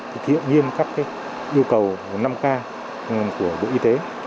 thực hiện nghiêm cấp yêu cầu năm k của đội y tế